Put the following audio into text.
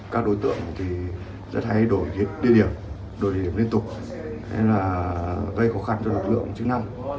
các đối tượng thì rất hay đổi địa điểm đổi địa điểm liên tục nên là gây khó khăn cho lực lượng chức năng